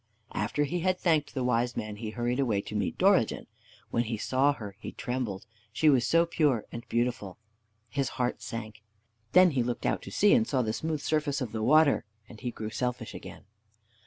After he had thanked the Wise Man, he hurried away to meet Dorigen. When he saw her he trembled. She was so pure and beautiful. His heart sank. Then he looked out to sea and saw the smooth surface of the water, and he grew selfish again.